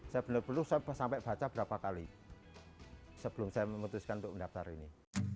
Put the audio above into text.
saya benar benar saya sampai baca berapa kali sebelum saya memutuskan untuk mendaftar ini